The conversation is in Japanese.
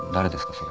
それ。